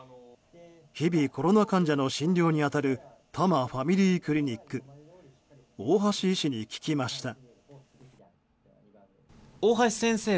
日々、コロナ患者の診療に当たる多摩ファミリークリニック大橋医師に聞きました。